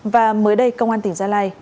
và mới đây công an tỉnh gia lai